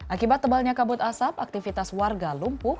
akibat tebalnya kabut asap aktivitas warga lumpuh